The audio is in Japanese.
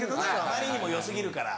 あまりにもよ過ぎるから。